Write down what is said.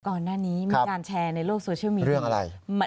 ก่อนหน้านี้มีการแชร์ในโลกโซเชียลอะไร